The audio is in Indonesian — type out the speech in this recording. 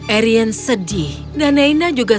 arion sedih dan neina juga